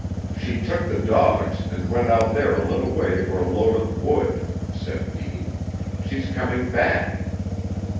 "She took the dogs and went out there a little way for a load of wood," said Deane. "She's coming back."